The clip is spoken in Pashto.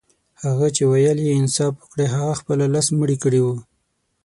هغه چي ويل يې انصاف وکړئ هغه خپله لس مړي کړي وه.